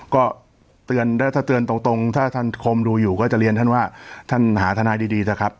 ก็เตือนถ้าเตือนตรงถ้าท่านคมดูอยู่ก็จะเรียนท่านว่าท่านหาทนายดีเถอะครับ